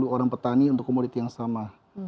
orang petani untuk komoditas yang sama